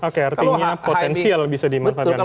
oke artinya potensial bisa dimanfaatkan